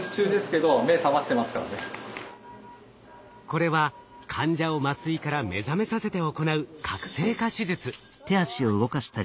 これは患者を麻酔から目覚めさせて行ううわすごいな。